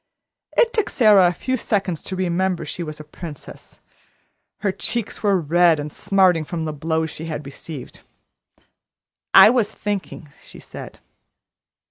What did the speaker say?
It took Sara a few seconds to remember she was a princess. Her cheeks were red and smarting from the blows she had received. "I was thinking," she said.